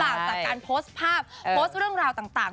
จากการโพสต์ภาพโพสต์เรื่องราวต่าง